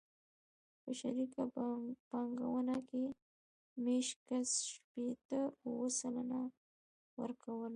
په شریکه پانګونه کې مېشت کس شپېته اووه سلنه ورکوله.